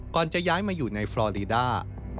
ก่อนจะย้ายมาอยู่ในฟลอรีดา